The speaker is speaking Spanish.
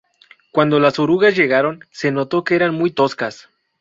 Cuando las orugas llegaron, se notó que eran muy toscas.